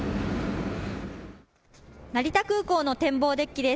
成田空港の展望デッキです。